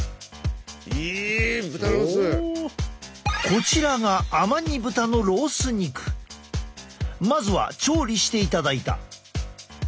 こちらがまずは調理していただいた。